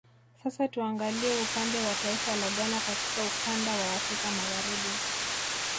Sasa tuangalie upande wa taifa la Ghana katika ukanda wa Afrika Magharibi